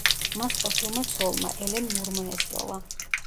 მას ყოფილმა ცოლმა, ელენ მურმა ესროლა.